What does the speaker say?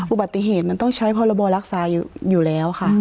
อุบัติเหตุมันต้องใช้พรบรักษาอยู่แล้วค่ะ